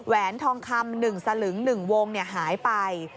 แหนทองคำ๑สลึง๑วงหายไป